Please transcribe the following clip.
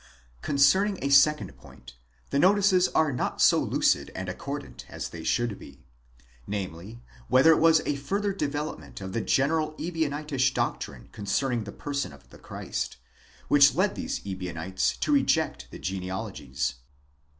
Concerning a second point the notices are not so lucid and accordant as they should be ; namely, whether it was a further development of the general "Ὁ Ebionitish doctrine concerning the person of the Christ, which led these Ebionites to reject the genealogies.